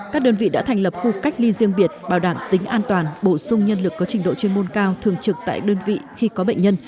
các đơn vị đã thành lập khu cách ly riêng biệt bảo đảm tính an toàn bổ sung nhân lực có trình độ chuyên môn cao thường trực tại đơn vị khi có bệnh nhân